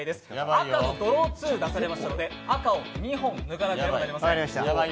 赤のドローツーを出されましたので赤を２本抜かなければなりません。